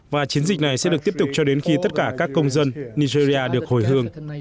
và chiến dịch này sẽ được tiếp tục cho đến khi tất cả các công dân nigeria được hồi hương